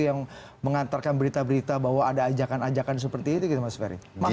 yang mengantarkan berita berita bahwa ada ajakan ajakan seperti itu gitu mas ferry